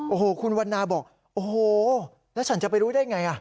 โอ้โหคุณวันนาบอกโอ้โหแล้วฉันจะไปรู้ได้ไง